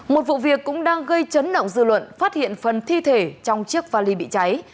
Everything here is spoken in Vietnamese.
một vụ việc cũng đang gây chấn động dư luận phát hiện phần thi thể trong chiếc vali bị cháy